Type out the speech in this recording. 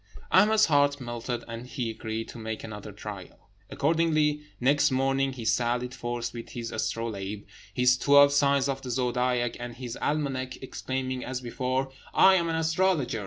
Ahmed's heart melted, and he agreed to make another trial. Accordingly, next morning he sallied forth with his astrolabe, his twelve signs of the zodiac, and his almanac, exclaiming, as before, "I am an astrologer!